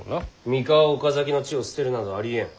三河岡崎の地を捨てるなどありえん。